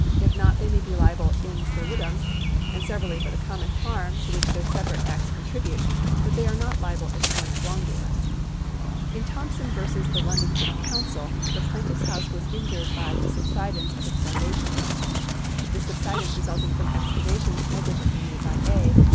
If not, they may be liable in solifhim and severally for the common harm to whicli their separate acts contribute ; but they are not liable as joint wrongdoers. In Thompmn v. The London ('ounly Council^ the plaintiff's hou.se was injured by the subsidence of its foundations, this subsidence resuItiTig from excavations negligently made by A.